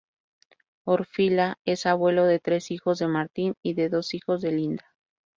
Orfila es abuelo de tres hijos de Martin y de dos hijos de Linda.